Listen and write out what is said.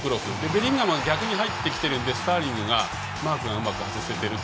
ベリンガムは逆に入ってきているのでスターリングがマークがうまく外せている。